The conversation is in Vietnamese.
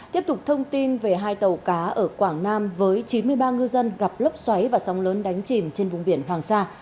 tiếp tục thông tin về hai tàu cá ở quảng nam với chín mươi ba ngư dân gặp lốc xoáy và sóng lớn đánh chìm trên vùng biển hoàng sa